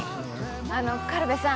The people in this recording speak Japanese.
あの軽部さん。